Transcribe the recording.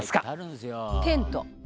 「テント。